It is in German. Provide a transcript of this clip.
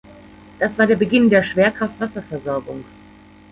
Das war der Beginn der Schwerkraft-Wasserversorgung.